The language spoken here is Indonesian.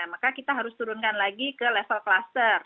maka kita harus turunkan lagi ke level kluster